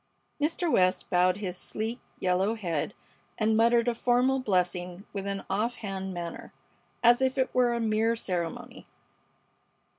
Mr. West bowed his sleek, yellow head and muttered a formal blessing with an offhand manner, as if it were a mere ceremony.